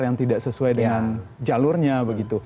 yang tidak sesuai dengan jalurnya begitu